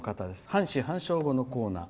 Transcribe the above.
半死半生語のコーナー。